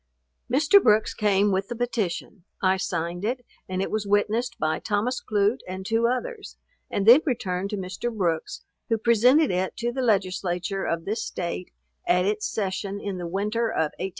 Mr. Brooks came with the petition: I signed it, and it was witnessed by Thomas Clute, and two others, and then returned to Mr. Brooks, who presented it to the Legislature of this state at its session in the winter of 1816 17.